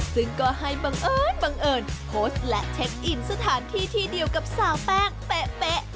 ซึ่งก็ให้บังเอิญบังเอิญโพสต์และเช็คอินสถานที่ที่เดียวกับสาวแป้งเป๊ะ